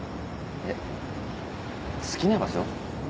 えっ好きな場所？